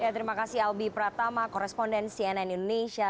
terima kasih albi pratama koresponden cnn indonesia